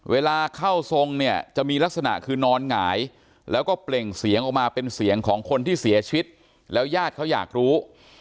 เวลาเข้าทรงเนี่ยจะมีลักษณะคือนอนหงายแล้วก็เปล่งเสียงออกมาเป็นเสียงของคนที่เสียชีวิตแล้วญาติเขาอยากรู้